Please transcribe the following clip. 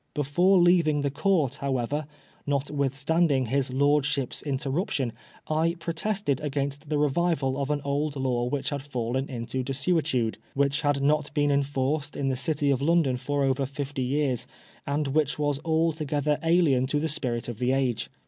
Before leaving the Court, however, notwithstanding his lordship's inter ruption, I protested against the revival of an old law which had fallen into desuetude, which had not been enforced in the City of London for over fifty years, and which was altogether alien to the spirit of the age.